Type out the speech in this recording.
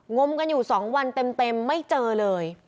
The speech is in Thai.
มกันอยู่๒วันเต็มไม่เจอเลย